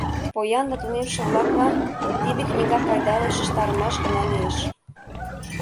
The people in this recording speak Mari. Поян да тунемше-влаклан тиде книга пайдале шижтарымаш гына лиеш.